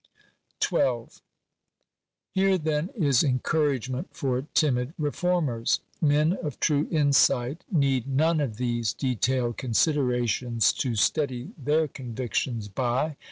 § 12. Here then is encouragement for timid reformers. Men of true insight need none of these detailed considerations to steady their convictions by.